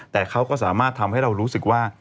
แต่เขาก็สามารถทำให้เรารู้สึกว่า